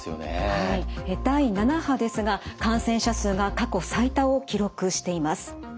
はい第７波ですが感染者数が過去最多を記録しています。